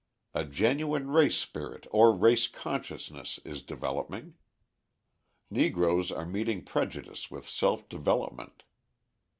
A genuine race spirit or race consciousness is developing. Negroes are meeting prejudice with self development.